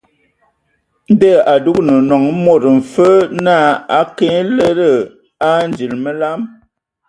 Ndɔ a adugan nɔŋ mod mfe naa a ke nye lədə a edzii məlam.